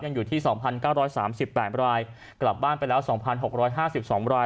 อยู่ที่๒๙๓๘รายกลับบ้านไปแล้ว๒๖๕๒ราย